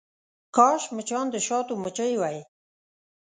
کاش مچان د شاتو مچۍ وی.